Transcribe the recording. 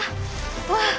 わあ。